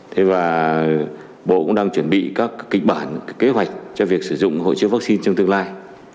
thế và bộ cũng đang chuẩn bị các kịch bản kế hoạch cho việc sử dụng hội chứa vaccine trong tương lai